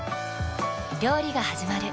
料理がはじまる。